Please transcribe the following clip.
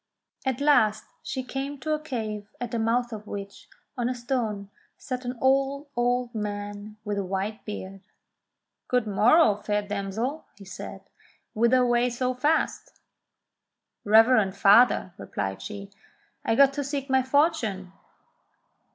At last she came to a cave at the mouth of which, on a stone, sate an old, old man with a white beard. *'Good morrow, fair damsel," he said, "whither away so fast ?" "Reverend father," replies she, "I go to seek my fortune."